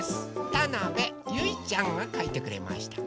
たなべゆいちゃんがかいてくれました。